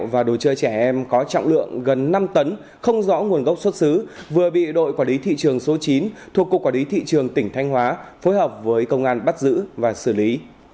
và đồ chơi trẻ em có trọng lượng gần năm tấn không rõ nguồn gốc xuất xứ vừa bị đội quản lý thị trường số chín thuộc cục quản lý thị trường tỉnh thanh hóa phối hợp với công an bắt giữ và xử lý